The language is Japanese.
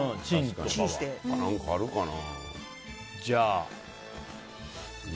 何かあるかな。